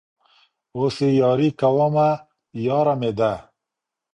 اوس يې ياري كومه ياره مـي ده